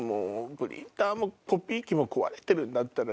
プリンターもコピー機も壊れてるんだったら。